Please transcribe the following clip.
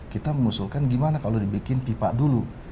kita mengusulkan gimana kalau dibikin pipa dulu